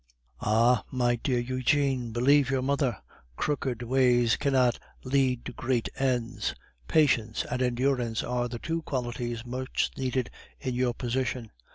Ah! my dear Eugene, believe your mother, crooked ways cannot lead to great ends. Patience and endurance are the two qualities most needed in your position.